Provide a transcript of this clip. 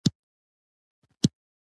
وړانګې د ورور د نه خوړو پوښتنه وکړه.